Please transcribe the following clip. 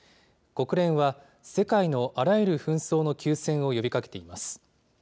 国連は世界のあらゆる紛争の休戦を呼びかけています。